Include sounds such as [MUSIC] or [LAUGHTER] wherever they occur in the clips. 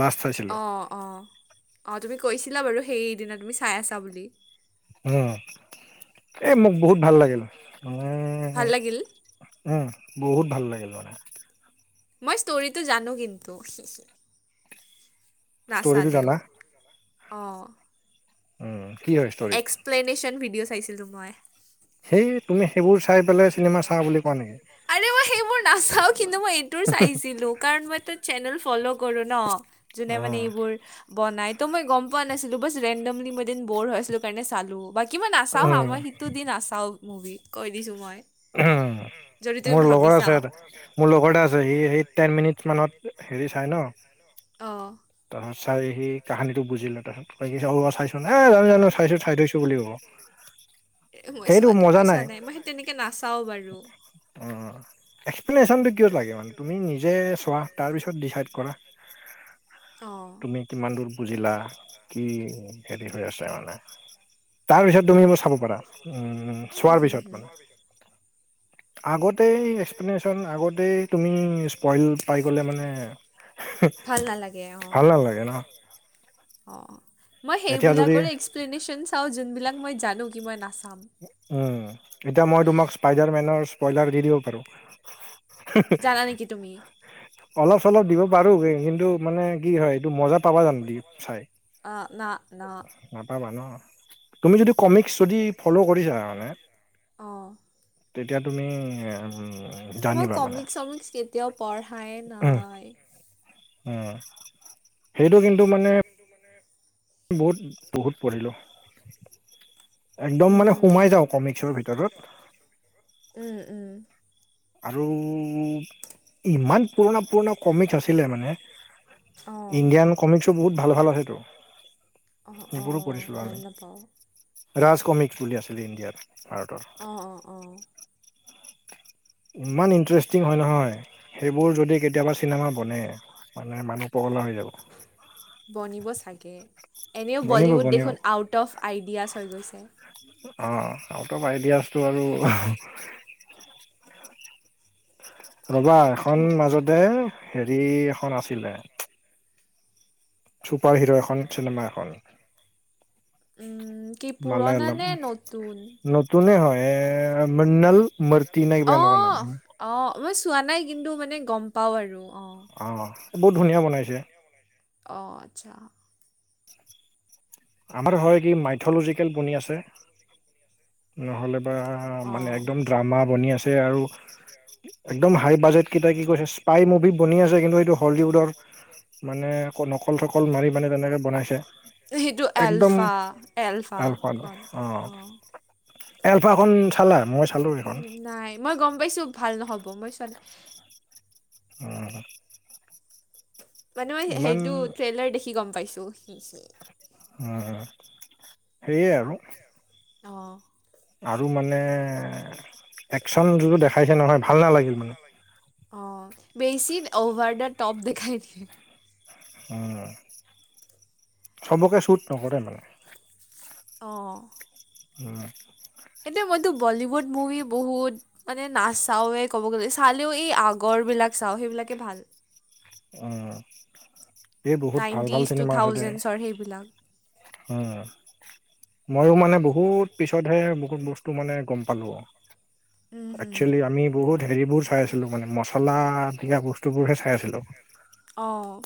Last চাইছিলো অ অ অ তুমি কৈছিলা বাৰু সেইদিনা, তুমি চাই আছা বুলি। অঁ, এই মোক বহুত ভাল লাগিল, মানে ভাল লাগিল উম বহুত ভাল লাগিল মানে। [UNINTELLIGIBLE] মই ষ্টৰিটো জানো কিন্তু, হে হে ষ্টৰিটো নাচালেও। জানা অঁ উম কি হয় ষ্টৰিটো? এক্প্লেনেশ্যন ভিডিঅ' চাইছিলোঁ মই। সেই তুমি সেইবোৰ চাই পেলাই, চি আৰে মই সেইবোৰ নাচাও কিন্তু মই এইটোৰ চাইছিলো। কাৰণ মই তাত চেনেল ফ'ল' কৰো ন, যোনে মানে উম এইবোৰ। বনাই তো মই গম পোৱা নাছিলো। জাষ্ট ৰেণ্ডমলি মই এদিন ব'ৰ হৈ আছিলো কাৰণে চালো। কি মই নাচাওঁ হা উম মই সিটো দি নাচাওঁ মুভি কৈ দিছোঁ মই। উম যদি তুমি মোৰ লগৰ ভাবিছা আছে, এ মোৰ লগৰ এটা আছে সি সেই টেন মিনিট মানত। হেৰি চাই ন। অহ। তাৰপিছত চাই সি কাহানীটো বুজি ললে তাৰ পাছত, সি চাই, এ জানো জানো চাইছো চাই থৈছো বুলি কব। এ মই সেইটো চোৱা মজা মই নাই, চোৱা মই সেই তেনেকে নাচাও বাৰু অঁ অঁ। এক্সপ্লেনেশ্যনটো কিয় লাগে মানে, তুমি নিজে চোৱা তাৰ পিছত ডিচাইড কৰা। অঁ। তুমি কিমান দূৰ বুজিলা, কি হেৰি হৈ আছে মানে। তাৰ পিছত তুমি মোৰ চাব পাৰা। উম উম চোৱাৰ হুম পিছত হুম মানে, আগত এক্সপ্লেনে্যন আগতে তুমি স্পইল পাই গ'লে মানে, হে হে, ভাল নালাগে অঁ ভাল নালাগে ন। অঁ, মই এতিয়া যদি সেইবিলাকৰ এক্সপ্লেনেশ্যন চাওঁ যোনবিলাক মই জানো কি মই নাচাম। উম, এতিয়া মই তোমাক স্পাইডাৰ মেনৰ স্পইলাৰ দি দিব পাৰো। জানা নেকি তুমি? অলপ চলপ দিব পাৰো বে, [UNINTELLIGIBLE] কিন্তু মানে কি হয় এইটো মজাত, পাবা জানোঁ [UNINTELLIGIBLE] চাই? অঁ না না নাপাবা ন'। তুমি যদি, কমিক্স যদি ফ'ল' কৰিছা মানে, অঁ তেতিয়া, তুমি মই জানিবা মানে কমিক্স-চমিক্স কেতিয়াও পঢ়াই নাই। অ'! সেইটো কিন্তু মানে, কিন্তু মানে, বহুত-বহুত পঢ়িলোঁ। একদম মানে, উম সোমাই যাওঁ, কমিক্সৰ ভিতৰত। উম, উম। আৰু ইমান, পুৰণা-পুৰণা কমিক্স আছিলে, মানে। অঁ ইণ্ডিয়ান কমিক্সো বহুত ভাল-ভাল আছেতো। অঁ সেইবোৰো অঁ পঢ়িছিলোঁ গম আমি। নাপাওঁ ৰাজকমিক্স বুলি আছিলে ইণ্ডিয়াত, ভাৰতত। অ' অ' অ'! ইমান ই ইণ্টাৰেষ্টিং হয়, নহয়। সেইবোৰ যদি কেতিয়াবা, চিনেমা বনে, মানে মানুহ পগলা হৈ যাব। বনিব চাগে! এনেও, বনিব বলিউড বনিব দেখোন আউট অফ আইডিয়াছ হৈ গৈছে। অ'! আউট অফ আইডিয়াছটো আৰু ৰ'বা, এখন মাজতে, সেৰি এখন আছিলে। ছুপাৰহিৰো এখন, চিনেমা এখন। উম। কি পুৰণা মালায়লম। নে নতুন? নতুনে হয়, এ, [UNINTELLIGIBLE] মুৰ্তি এনে, কিবা এনেকুৱা নাম। অ', অ'! মই চোৱা নাই। কিন্তু মানে, গম পাওঁ আৰু। অ'! অ'! বহুত ধুনীয়া বনাইছে! অ'! আচ্ছা। আমাৰ হয় কি, মাইথল'জিকেল বনি আছে। নহ'লে বা অ'! মানে, একদম ড্ৰামা বনি আছে আৰু। একদম হাই বাজেট কেইটা কি কৈছে, স্পাই মুভি বনি আছে। কিন্তু, এইটো হলিউডৰ। মানে, নকল-চকল মাৰি মানে, তেনেকে বনাইছে। সেইটো একদম, এলফা, এলফাখন [UNINTELLIGIBLE] অ'! এলফাখন চালা? মই চালোঁ, সেইখন। উম, নাই মই গম পাইছোঁ, ভাল নহ'ব। মই চোৱা নাই। অ'! মানে, মই ইমান সেইটো, ট্ৰেইলাৰ দেখি গম পাইছোঁ। হি- হি! অ'! সেইয়াই আৰু। [UNINTELLIGIBLE] অ'! আৰু মানে, একচন যোনতো দেখাইছে নহয়, ভাল নালাগিল মানে। অ'! বেছি অভাৰ দা টপ দেখাই দিয়ে। উম, চবকে সুট নকৰে মানে। অ', [INAUDIBLE] উম। সেইটোৱে মইতো, বলিউড মুভি বহুত মানে, নাচাওঁৱে ক'ব গ'লে। চালেও, এই আগৰ বিলাক চাওঁ, সেইবিলাকে ভাল। অ'! এই, বহুত ভাল-ভাল নাইনটিজ, টু চিনেমা আছে, দে। থাউজেণ্ডছৰ সেইবিলাক। অ'! মইয়ো মানে বহুত পিছতহে বহুত বস্তু মানে গম পালো আৰু। উম, হুম। একচুৱেলি আমি বহুত হেৰিবোৰ চাই আছিলো মানে, মচলা দিয়া বস্তুবোৰহে চাই আছি লো, অ',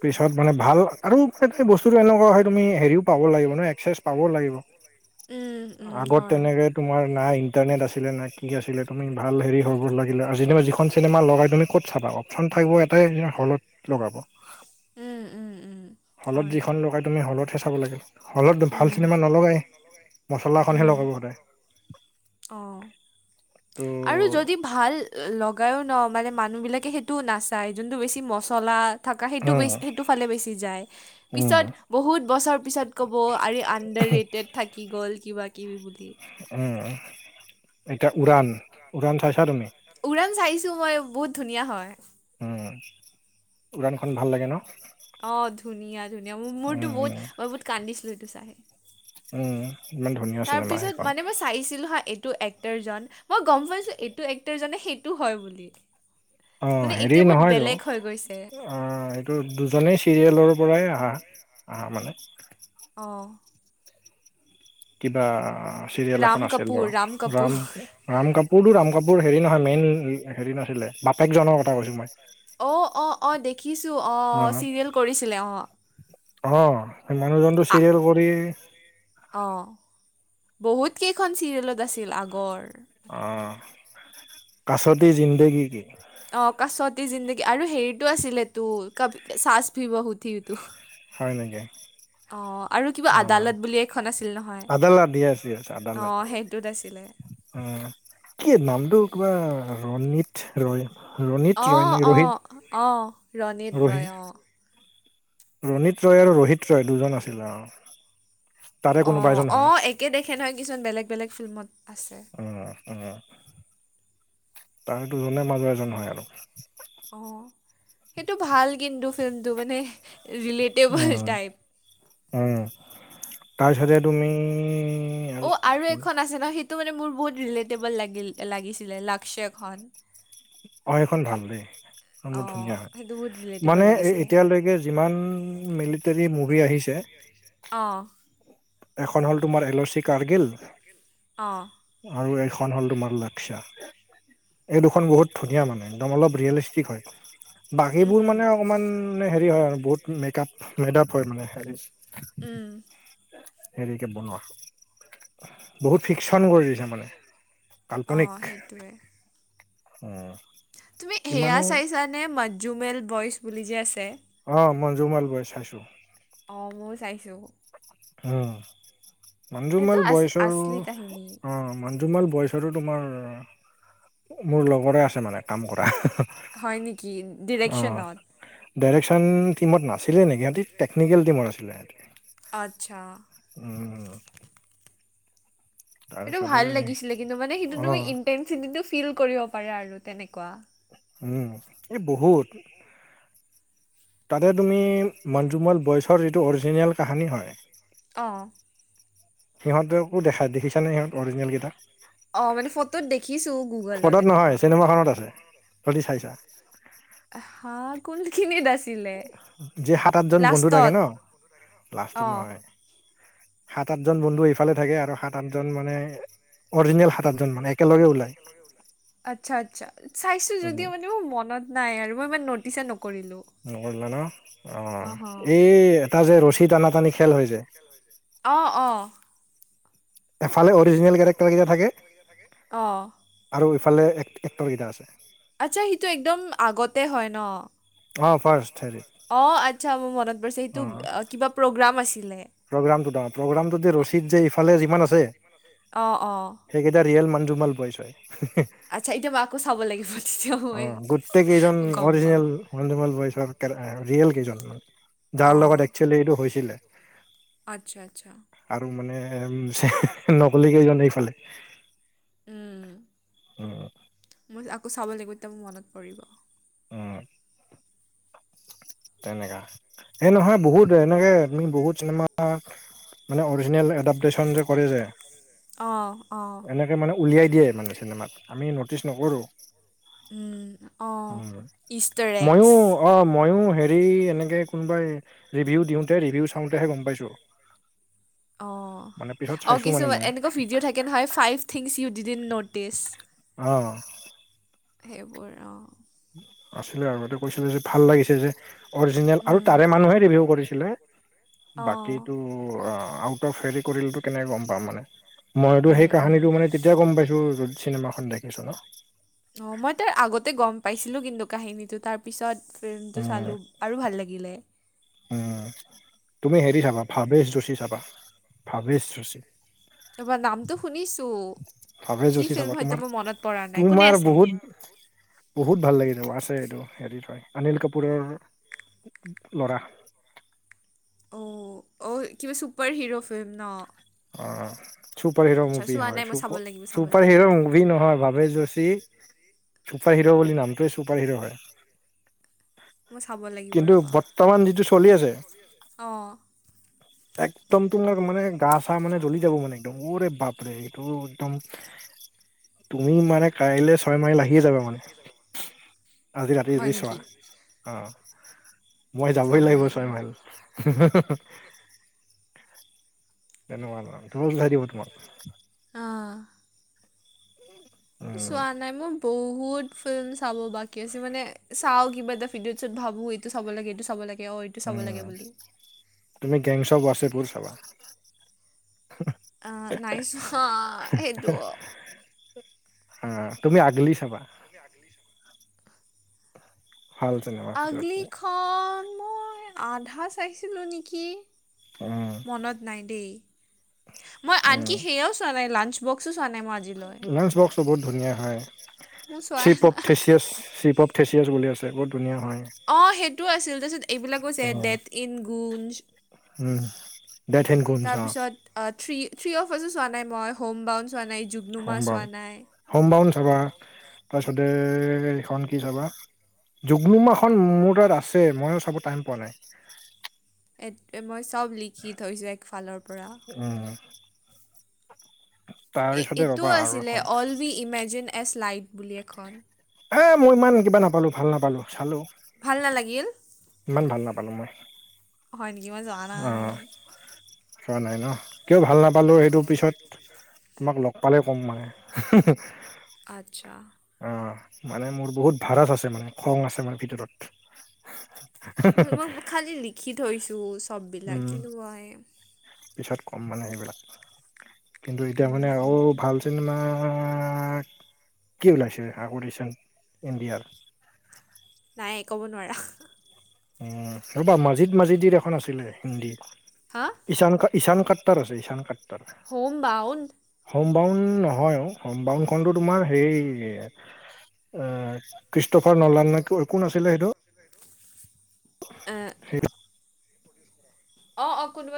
পিছত মানে ভাল আৰু এ বস্তুটো এনেকুৱা হ'য় তুমি হেৰিও পাব লাগিব ন একচেচ পাব লাগিব, উম, উম, আগত হয়। তেনেকে তোমাৰ না ইণ্টাৰনেট আছিলে না কি আছিলে তুমি ভাল হেৰি হ'ব লাগিলে আজি তোমাৰ যিখন খন চিনেমা লগাই তুমি ক'ত চাবা, অপচন থাকিব এটাই হলত লগাব। উম, উম, উম, হলত হয়। যিখন লগাই তুমি হলতহে চাব লাগিব, হলত ভাল উম। চিনেমা নলগাই, মচলাখনহে উম। লগাব সদায়। অ', ত' আৰু যদি ভাল লগায়ো ন, মানে মানুহবিলাকে সেইটোও নাচায়, যোনটো বেছি মচলা থকা সেইটো উম, বেছি সেইটো ফালে বেছি যায়, উম, পিছত বহুত বছৰ পিছত ক'ব আৰে আণ্ডাৰ ৰেটেড থাকি গ'ল কিবা কিবি বুলি। উম, এতিয়া উৰাণ, উৰাণ চাইছা তুমি? উৰাণ চাইছো মই বহুত ধুনীয়া হয়। উম, উৰানখন ভাল লাগে ন। অ', ধুনীয়া, ধুনীয়া মোৰতো উম বহুত মই বহুত কান্দিছিলো এইটো চাই। উম। ইমান ধুনীয়া চিনেমা তাৰপিছত সেইখন মানে মই চাইছিলো হা এইটো এক্টাৰজন, মই গম পাইছো এইটো এক্টাৰজনে সেইটো হ'য় বুলি। মানে এতিয়া বহুত বেলেগ হৈ গৈছে। উম, এইটো দুজনেই চিৰিয়েলৰ পৰাই আহা, আহা মানে। অ'। কিবা চিৰিয়েল এখন ৰাম আছিল কাপুৰ ৰ, কাপুৰ ৰাম ৰাম কাপোৰো, ৰাম কাপোৰ হেৰি নহয়, মেইন হেৰি নাছিলে, বাপেকজনৰ কথা কৈছো মই। অ', অ' অ' দেখিছো অ', চিৰিয়েল কৰিছিলে অ',। অ'। [UNINTELLIGIBLE] [UNINTELLIGIBLE] কৰি অ', বহুত কেইখন চিৰিয়েলত আছিল আগৰ। অ'। কাছতি যিন কাছতি জিনদেগি। অ-, কাছতি জিন্দগী আৰু হেৰিতটো আছিলে তো ক চাচ ভি বহু ঠি টো। হয় নেকি? অ' আৰু কিবা অ আদালত বুলি এখন আছিল নহয়। আদালত য়েছ য়েছ আদালত অ' সেইটোত আছিলে। উম, কি নামটো কিবা ৰনিত ৰয়। ৰণিত ৰয় নে অ', ৰোহিত অ', অ', ৰণিত ৰয়, ৰোহিত অ',। ৰণিত ৰয় আৰু ৰোহিত ৰয় দুজন আছিলে অ'। তাৰে কোনোবা অ', এজন হয় অ', একে দেখে নহয়, কিছুমান বেলেগ, বেলেগ ফিল্মত আছে। উম উম, তাৰে দুজনে মাজৰ এজন হয় আৰু। অ' সেইটো ভাল কিন্তু ফিল্মটো মানে ৰিলেট উম, উম। তাৰপিছতে তুমি আৰু [UNINTELLIGIBLE] তো মানে মোৰ বহুত ৰিলেটেবল লাগিল লাগিছিলে লাকছেয়খন অ সেইখন ভাল দেই সেইখন বৰ অঁ ধুনীয়া হয়। সেইটো বহুত ৰিলেটেবল মানে লাগিছিলে এতিয়ালৈকে যিমান মিলিটৰী মুভি আহিছে অঁ এখন হ'ল তোমাৰ এল' চি কাৰ্গিল অঁ আৰু এইখন হ'ল তোমাৰ লাকচা এই দুখন বহুত ধুনীয়া মানে একদম অলপ ৰিয়েলিষ্টিক হয়। বাকীবোৰ উহু, মানে অকমান হেৰি হয় আৰু বহুত মেকাপ মেদাপ হয় মানে হেৰি উম হেৰিকে বনোৱা বহুত ফিকচন কৰি দিছে মানে অঁ কাল্পনিক সেইটোৱে। উম তুমি সেয়া ইমানো চাইছা নে মঞ্জুমেল বইচ বুলি যে আছে অ মঞ্জুমাল বয় চাইছো অ ময় চাইছো। অঁ, সেইটো মঞ্জুমল আছ বয়চৰো আচলি কাহিনী অঁ মানে তোমাৰ বয়ষৰো তোমাৰ মোৰ লগৰে আছে মানে। কাম কৰা। কি ডিৰেকশ্যনত? ডাইৰেকশ্যন টিমত নাছিলে নেকি ইহঁতি টেকনিক টিমত আছিলে সিহঁতি আচ্ছা। উম। সেইটো তাৰপিছতে ভাল লাগিছিলে কিন্তু মানে সেইটো অ তুমি ইনটেনচিটিটো ফিল কৰিব পাৰা আৰু তেনেকুৱা। উম এই বহুত। তাতে তুমি, মঞ্জুমল বয়চৰ যিটো অৰিজিনেল কাহানী হ'য় অঁ। সিহঁতকো দেখাই দেখিছ নে? সিহঁত অৰিজিনেল কেইটা। অঁ, মানে ফটোত দেখিছো গুগলত পদত নহয় এনেকুৱা। চিনেমাখনত আছে [UNINTELLIGIBLE] চাইছা? আ হা কোনখিনিত আছ যে সাত, আঠজন বন্ধু থাকে ন, লাষ্টত অঁ নহয়। সাত, আঠজন বন্ধু এইফালে থাকে আৰু সাত, আঠজন মানে অৰিজিনেল সাত আঠজন মানে একেলগে [UNINTELLIGIBLE] ওলায় একেলগে ওলাম। আচ্ছা আচ্ছা চাইছিল যদিও মা টো মনত নাই আৰু মই ইমান নটিচে নক, নকৰিলা ন, অঁ হ অ' এই এটা যে ৰছী টানা- টানি খেল হয় যে? অঁ অঁ। এফালে অৰিজিনেল কেৰেক্টৰকেইটা থাকে। অঁ আৰু ইফালে এক এক্টৰকেইটা আছে। আচ্ছা সিটো একদম আগতে হয় ন। অহ' ফাৰষ্ট থেৰি। অঁ আচ্ছা মোৰ মনত পৰিছে, সেইটো কিবা প্ৰগ্ৰাম আছিলে। প্ৰগ্ৰামটোত অ প্ৰগ্ৰামটো যে ৰচিদ যে ইফালে যিমান আছে। অঁ অঁ। সেইকেইটা ৰিয়েল মানজুমাল বইচ হয়। আচ্ছা এতিয়া মাকো চাব লাগিবই। অ, গোটেই কিজন পাম অৰিজিনেল মঞ্জুমল বয়চৰ তেৰ য়া ৰিয়েল কেইজনমান যাৰ লগত অঁ একচুৱেলি এইটো হৈছিলে। আচ্ছা আচ্ছা আৰু মানে উ নকলি কেইজন এইফালে। উম উম মই আকৌ চাব লাগিব তেতিয়া মোৰ মনত পৰিব। অ তেনেকা সেই নহয় বহুত এনেকে আমি বহুত চিনেমা মানে অৰিজিনেল এডাপ্টেশ্যন যে কৰে যে অঁ অঁ এনে এই মানে উলিয়াই দিয়ে মানে চিনেমাত, আমি নটিচ নকৰোঁ। উম অঁ উম, ইষ্টাৰ এগছ ময়ো অ ময়ো এই এনেকৈ কোনোবাই ৰিভিউ দিওঁতে ৰিভিউ চাওঁতেহে গম পাইছো। অঁ, পিছত অ চাইছোঁ মানে কিছুমান মই, এনেকুৱা ভিডিঅ' থাকে নহয় five things you did in notice অঁ। সেইবোৰ অঁ আছিলে আৰুতে কৈছিলো যে ভাল লাগিছে যে। অৰিজিনেল, আৰু উম তাৰে মানুহে ৰিভিউ কৰিছিলে অঁ বাকীটো আউট অফ হেৰি কৰিলে কেনেকে গম পাম মানে? মইতো উম সেই উম কাহানীটো মানে তেতিয়া গম পাইছো, চিনেমাখন দেখিছিলো। অ মই তাৰ আগতে গম পাইছিলো কিন্তু কাহিনীটো তাৰ পিছত ফে্মটো উম চালোঁ আৰু ভাল লাগিলে। উম তুমি হেৰি চাবা ভাৱেশ যোশী চাবা ভাৱেশ যোশী ৰবা নামটো শুনিছো। ভৱেশ যোশি চাবা তোমাৰ, নাই কোনে তোমাৰ আছে বহুত বহুত ভাল লাগিছে আছে এইটো হেৰি অনিল কাপুৰৰ ল'ৰা অ' অ' কিবা চুপাৰ হিৰ' ফিল্ম ন? অঁ, চুপাৰ হিৰ' আচ্ছা মুভি চোৱা হয় নাই মই চাব লাগিব চাব চুপাৰ লাগিব হিৰ' মুভি নহয় ভৱেশ যোশী ছুপাৰ হিৰ বুলি নামটোৱে ছুপাৰ হিৰ হয়। মই চাব লাগিব। কিন্তু বৰ্তমান যিটো চলি আছে অঁ একদম তোমা মানে গা চা মানে জ্বলি যাব মানে একদম ওৰে বাপৰে এইটো একদম তুমি মানে কাইলৈ ছয় মাইল আহিয়ে যাবা মানে আজি ৰাতি হয় যদি চোৱা নেকি অঁ মই যাবই লাগিব ছয় মাইল তেনকুৱা মানে উল্টাই দিব তোমাক অ' উম চোৱা নাই মোৰ বহুত ফিল্ম চাব বাকী আছে মানে চাও কিবা পিছত ভাবো এইটো চাব লাগে এইটো চাব লাগে অ চাব লাগে উম বুলি তুমি গেংচছ অৱ ৱাচিপুৰ চাবা নাইছোৱা সেইটো উম তুমি আগলি চাবা। তুমি আগলি চাবা ভাল চিনেমা। আগলিখন মই আধা চাইছিলো নেকি। উম মনত নাই দেই, মই উম আনকি সেইয়াও চোৱা নাই লাঞ্চ বক্সো চোৱা নাই মই আজিলৈ। লাঞ্চ বক্সটো বহুত ধুনীয়া হয় মই চোৱাই চিপ অফ নাই, থেচিয়াছ চিপ অফ থেচিয়াছ বুলি আছে বহুত ধুনীয়া হয় অ' সেইটোও আছিল তাৰপিছত এইবিলাকো যে um death in Gunj um. Death and Gunj অ তাৰপিছত থ্ৰী থ্ৰী অফাৰছো চোৱা নাই মই হোম বাউন চোৱা নাই জুগনুমা চোৱা নাই হোমবাউন চাবা তাৰপিছতে এইখন কি চাবা জুগনুমাখন মোৰ তাত আছে মইয়ো চাব টাইম পোৱা নাই। মই চব লিখি থৈছো একফালৰ পৰা। উম এ তাৰপিছতে ইটো ৰ'বা আৰু এখন আছিলে- all we imagine as light বুলি এখন। এ, মই ইমান কিবা নাপালোঁ, ভাল নাপালোঁ। চালো ভাল নালাগিল? ইমান ভাল নাপালোঁ মই। হয় নেকি? মই জৱা অ নাই। চোৱা নাই ন'? কিয় ভাল নাপালোঁ, সেইটো পিছত তোমাক লগ পালেই ক'ম মানে। আৰ্টছা। অ' মানে মোৰ বহুত ধাৰাধ আছে মানে খং আছে মানে ভিতৰত। মই বুক খালী লিখি থৈছোঁ চববিলাক উম কিন্তু মই পিছত কম মানে সেবিলাক কিন্তু এতিয়া মানে উম, উম, আৰু উম, ভাল টিনেমা, কি ওলাইছে অডিচান ইণ্ডিয়াৰ নাই, ক'ব নোৱাৰা। উম। ৰবা, মাজিদ মাজিদিৰ এখন আছিলে হিন্দীত। হা ঈশান, ঈশান কাট্টাৰ আছে Ishaan Khatter. Home bound. Home বাউন নহয় অ'। হোম বাউণ্ডখনতো তোমাৰ হেৰি ক্ৰীষ্টফৰ নলান নে কোন আছিলে সেইটো? এ সেটোপ অ' অ', কোনোবা